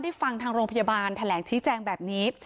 ฟังทางโรงพยาบาลแถลงชี้แจงแบบนี้